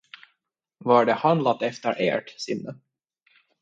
Var det handlat efter ert sinne?